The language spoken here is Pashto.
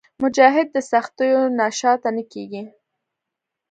مجاهد د سختیو نه شاته نه کېږي.